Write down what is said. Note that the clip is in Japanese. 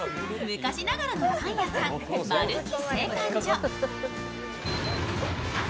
昔ながらのパン屋さんまるき製パン所。